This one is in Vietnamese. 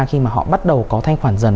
khi mà họ bắt đầu có thanh khoản dần